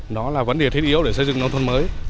đó là vấn đề thiết yếu để xây dựng nông thôn mới